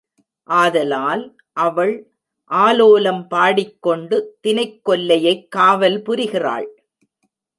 ஆதலால் அவள் ஆலோலம் பாடிக் கொண்டு தினைக் கொல்லையைக் காவல் புரிகிறாள்.